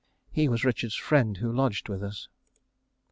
He was Richard's friend who lodged with us.